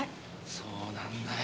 そうなんだよ。